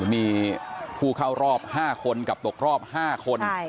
มีผู้เข้ารอบ๕คนกับตกรอบ๕คน